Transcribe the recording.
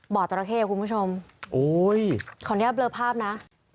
บ่อจรเข้คุณผู้ชมขออนุญาตเบลอภาพนะ